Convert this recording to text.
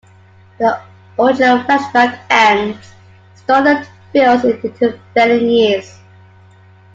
The original flashback ends; Stoddard fills in the intervening years.